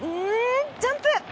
ジャンプ！